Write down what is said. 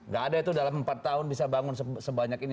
gak ada itu dalam empat tahun bisa bangun sebanyak ini